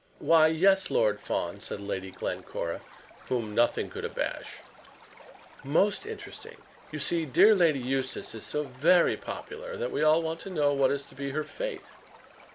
"Why, yes, Lord Fawn," said Lady Glencora, whom nothing could abash; "most interesting. You see, dear Lady Eustace is so very popular, that we all want to know what is to be her fate."